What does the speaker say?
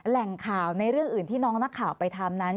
แหล่งข่าวในเรื่องอื่นที่น้องนักข่าวไปทำนั้น